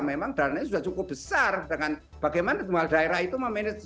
memang dananya sudah cukup besar dengan bagaimana semua daerah itu memanage